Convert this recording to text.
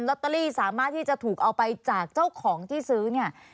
ตเตอรี่สามารถที่จะถูกเอาไปจากเจ้าของที่ซื้อเนี่ย